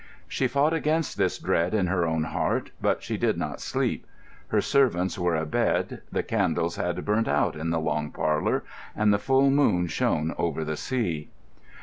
She fought against this dread in her own heart, but she did not sleep. Her servants were a bed; the candles had burnt out in the long parlour, and the full moon shone over the sea.